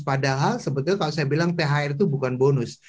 padahal sebetulnya kalau saya bilang thr itu bukan bonus